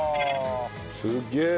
すげえ。